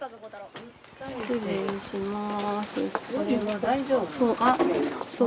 失礼します。